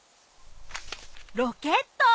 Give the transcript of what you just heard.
ロケット！